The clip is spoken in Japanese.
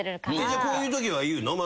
じゃあこういうときは言うの？